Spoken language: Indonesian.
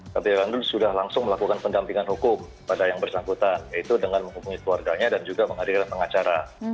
kpu sudah langsung melakukan pendampingan hukum pada yang bersangkutan yaitu dengan menghubungi keluarganya dan juga menghadirkan pengacara